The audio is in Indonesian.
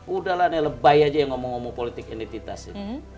udah lah nih lebay aja yang ngomong ngomong politik identitas ini